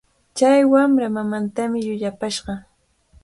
Chay wamra mamantami llullapashqa.